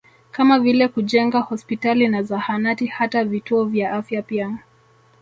Kama vile kujenga hospitali na zahanati hata vituo vya afya pia